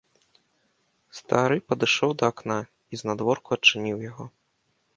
Стары падышоў да акна і знадворку адчыніў яго.